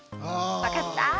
分かった？